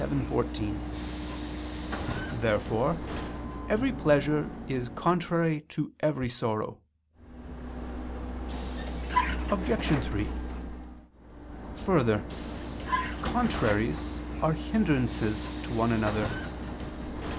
vii, 14). Therefore every pleasure is contrary to every sorrow. Obj. 3: Further, contraries are hindrances to one another.